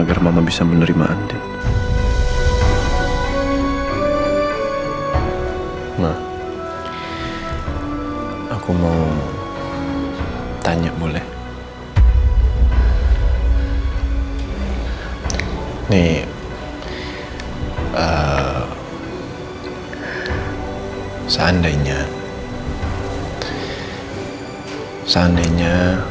apa yang pembunuh roy